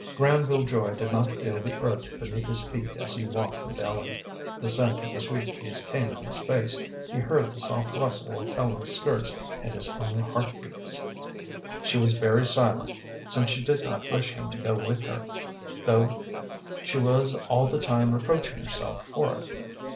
Granville Joy did not feel the earth beneath his feet as he walked with Ellen. The scent of the sweet peas came in his face, he heard the soft rustle of Ellen's skirts and his own heart beats. She was very silent, since she did not wish him to go with her, though she was all the time reproaching herself for it.